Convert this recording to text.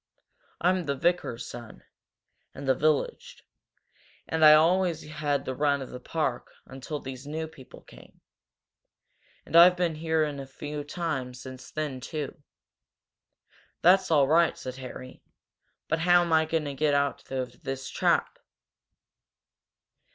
I'm the vicar's son, in the village, and I always had the run of the park until these new people came. And I've been in here a few times since then, too." "That's all right," said Harry. "But how am I going to get out of this trap?"